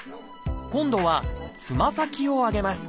今度はつま先を上げます。